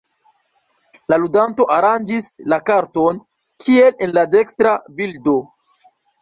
La ludanto aranĝis la karton kiel en la dekstra bildo.